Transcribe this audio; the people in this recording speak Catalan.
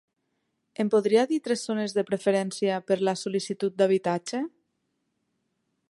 Em podria dir tres zones de preferència per la sol·licitud d'habitatge?